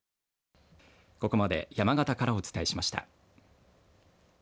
ここまで山形からお伝えしました。